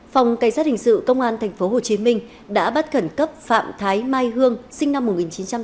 phòng cảnh sát hình sự công an tp hcm đã bắt khẩn cấp phạm thái mai hương sinh năm một nghìn chín trăm tám mươi